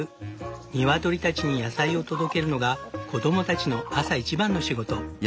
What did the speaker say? ニワトリたちに野菜を届けるのが子供たちの朝一番の仕事。